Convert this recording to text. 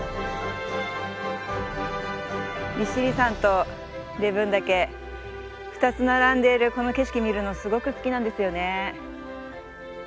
利尻山と礼文岳２つ並んでいるこの景色見るのすごく好きなんですよね。